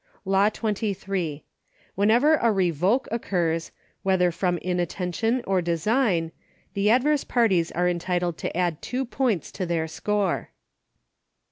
Law XXIII. Whenever a revoke occurs, whether from inattention or design, the adverse parties are entitled to add two points to their score.